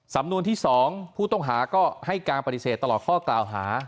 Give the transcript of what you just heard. สำนวนที่๒ผู้ต้องหาก็ให้การปฏิเสธตลอดข้อกล่าวหา